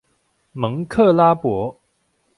蒙克拉博。